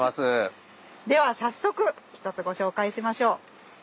では早速１つご紹介しましょう。